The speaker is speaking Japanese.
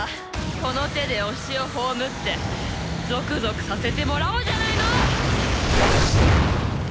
この手で推しを葬ってゾクゾクさせてもらおうじゃないの！